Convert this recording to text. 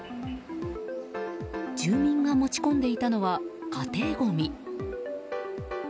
住民が持ち込んでいたのは家庭ごみ。